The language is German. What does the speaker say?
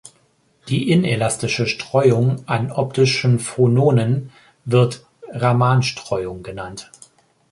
Die inelastische Streuung an optischen Phononen wird Raman-Streuung genannt.